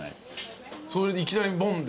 それでいきなりボンで。